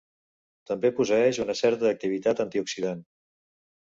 També posseeix una certa activitat antioxidant.